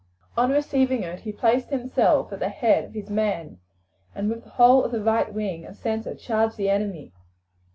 On receiving it he placed himself at the head of his men, and with the whole of the right wing and centre charged the enemy.